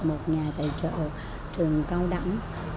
một nhà tài trợ trường cao đẳng